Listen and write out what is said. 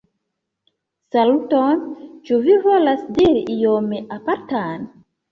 Saluton, ĉu vi volas diri ion apartan?